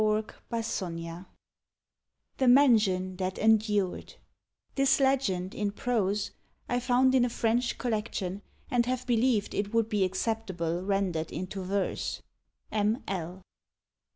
LEGENDARY SONGS THE MANSION THAT ENDURED (This legend, in prose, I found in a French collection, and have believed it would be acceptable rendered into verse. M. L.)